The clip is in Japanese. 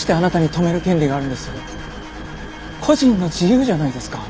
個人の自由じゃないですか。